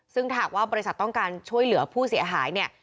ซึ่งหากว่าบริษัทต้องการช่วยเหลือผู้เสียหายเนี่ย